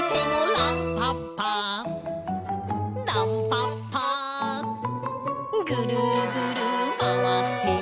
「ランパッパランパッパ」「ぐるぐるまわっても」